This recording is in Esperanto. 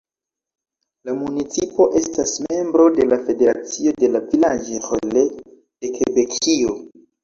La municipo estas membro de la Federacio de la "Villages-relais" de Kebekio.